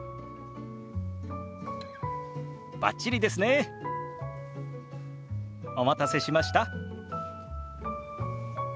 バッチリですね。お待たせしました。